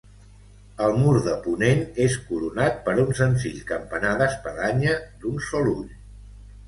El mur de ponent és coronat per un senzill campanar d'espadanya d'un sol ull.